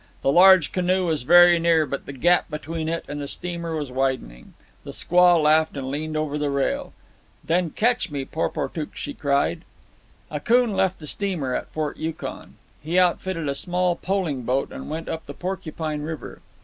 The large canoe was very near, but the gap between it and the steamer was widening. The squaw laughed and leaned over the rail. "Then catch me, Porportuk!" she cried. Akoon left the steamer at Fort Yukon. He outfitted a small poling boat and went up the Porcupine River.